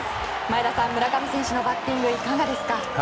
前田さん村上選手のバッティングいかがですか？